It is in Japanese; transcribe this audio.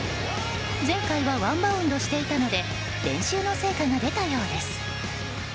前回はワンバウンドしていたので練習の成果が出たようです。